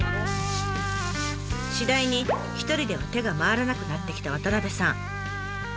次第に一人では手が回らなくなってきた渡部さん。